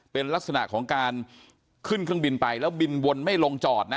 เป็นลักษณะของการขึ้นเครื่องบินไปแล้วบินวนไม่ลงจอดนะ